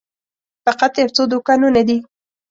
فقط یو څو دوکانونه دي.